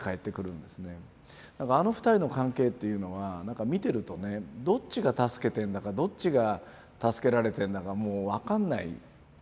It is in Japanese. なんかあの二人の関係っていうのはなんか見てるとねどっちが助けてんだかどっちが助けられてんだかもう分かんない。